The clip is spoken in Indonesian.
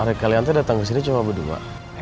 ari kalian tuh datang kesini cuma berdua